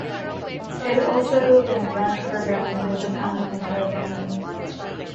It also opened branch programs in Japan and Taiwan.